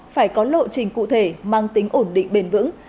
phải có lộ trình cụ thể mang tính ổn định bền vững